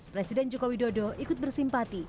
presiden jokowi dodo ikut bersimpati